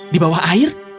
di bawah air